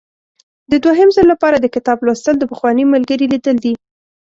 د دوهم ځل لپاره د کتاب لوستل د پخواني ملګري لیدل دي.